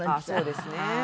そうですね。